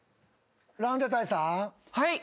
はい？